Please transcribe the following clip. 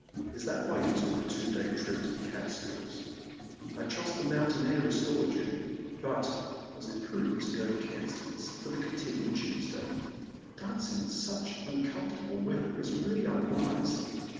Is that why you took a two days' trip to the Catskills ? I trust the mountain air restored you — ^but — was it prudent to go to Cranston's for the cotillion Tuesday ? Dancing in such uncomfortable weather is really unwise.